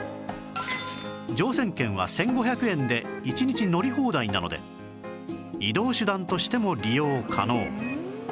乗船券は１５００円で一日乗り放題なので移動手段としても利用可能